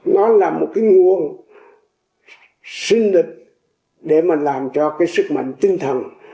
nó là một cái nguồn sinh lực để mà làm cho cái sức mạnh tinh thần